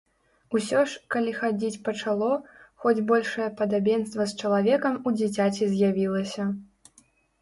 Усё ж, калі хадзіць пачало, хоць большае падабенства з чалавекам у дзіцяці з'явілася.